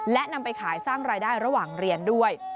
และนำไปขายสร้างรายได้ระหว่างเรียนด้วย